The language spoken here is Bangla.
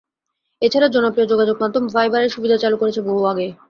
এ ছাড়া জনপ্রিয় যোগাযোগমাধ্যম ভাইবার এ সুবিধা চালু করছে বহু আগেই।